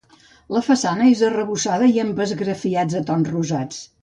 La façana és arrebossada i amb esgrafiats de tons rosats.